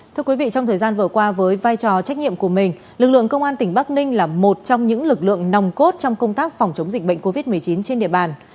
thưa quý vị trong thời gian vừa qua với vai trò trách nhiệm của mình lực lượng công an tỉnh bắc ninh là một trong những lực lượng nòng cốt trong công tác phòng chống dịch bệnh covid một mươi chín trên địa bàn